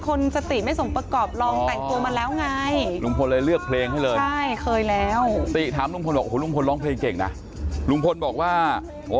ก็ไหนว่าเป็นคนบ้าใครก็ว่าบ่าบ่าว่าก็ว่าจี๊วะถึงจะบ้าแต่ว่าไม่โง่